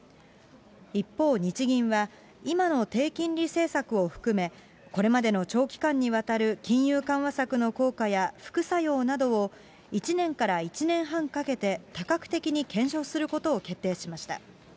一方、日銀は、今の低金利政策を含め、これまでの長期間にわたる金融緩和策の効果や、副作用などを１年から１年半かけて、多角的に検証することを決定しました。